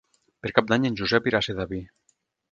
Per Cap d'Any en Josep irà a Sedaví.